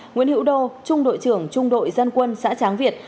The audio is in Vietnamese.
nguyễn hữu đô trung đội trưởng trung đội dân quân xã tráng việt